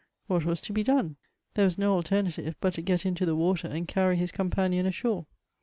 What was to be done ? There was no alternative but to get into the water and carry his companion ashore.